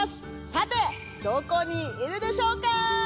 さて、どこにいるでしょうか。